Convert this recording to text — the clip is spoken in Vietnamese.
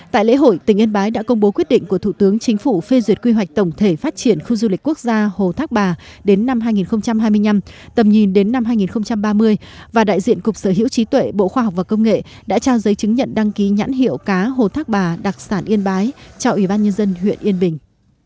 tại lễ hội tỉnh yên bái đã công bố quyết định của thủ tướng chính phủ phê duyệt quy hoạch tổng thể phát triển khu du lịch quốc gia hồ thác bà đến năm hai nghìn hai mươi năm tầm nhìn đến năm hai nghìn ba mươi và đại diện cục sở hữu trí tuệ bộ khoa học và công nghệ đã trao giấy chứng nhận đăng ký nhãn hiệu cá hồ thác bà đặc sản yên bái cho ủy ban nhân dân huyện yên bình